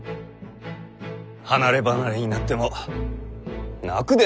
離れ離れになっても泣くでないぞ！